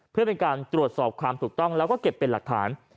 เพื่อเป็นการตรวจสอบความถูกต้องแล้วก็เก็บเป็นหลักฐาน